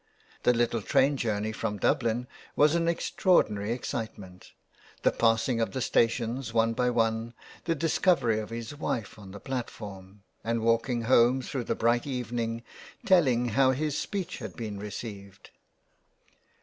The little train journey from Dublin was an extraordinary excitement, the passing of the stations one by one, the discovery of his wife on the platform, and walking home through the bright eve ' ning, tellinor how his speech had been received.